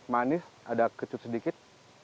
manis ada kecut sedikit